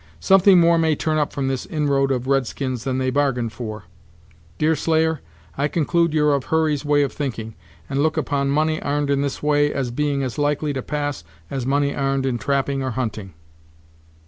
"Something more may turn up from this inroad of the red skins than they bargained for. Deerslayer, I conclude you're of Hurry's way of thinking, and look upon money 'arned in this way as being as likely to pass as money 'arned in trapping or hunting."